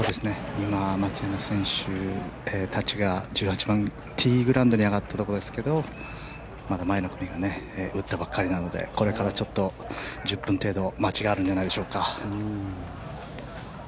今、松山選手たちが１８番、ティーグラウンドに上がったところですがまだ前の組が打ったばかりなのでこれから１０分程度、待ちがあるんじゃないでしょうか。